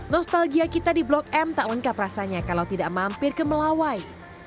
nostalgia kita di blok m tak lengkap rasanya kalau tidak mampir ke melawai